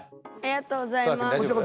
ありがとうございます。